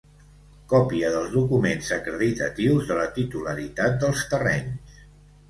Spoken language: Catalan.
Còpia dels documents acreditatius de la titularitat dels terrenys.